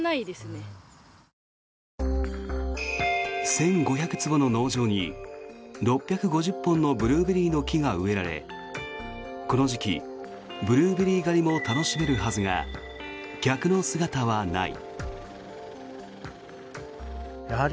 １５００坪の農場に６５０本のブルーベリーの木が植えられこの時期、ブルーベリー狩りも楽しめるはずが客の姿はない。